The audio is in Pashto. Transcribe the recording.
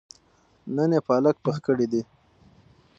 نن يې پالک پخ کړي دي